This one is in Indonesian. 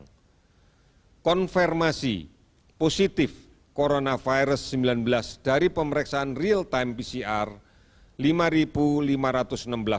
dan konfirmasi positif corona virus sembilan belas dari pemeriksaan real time pcr lima delapan ratus tujuh puluh tiga orang